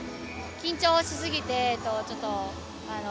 緊張しすぎて、ちょっと。